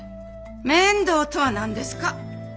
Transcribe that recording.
面倒とは何ですか！